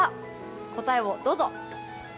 答えをどうぞ。